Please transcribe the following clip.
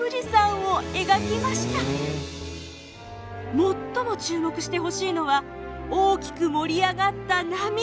最も注目してほしいのは大きく盛り上がった波。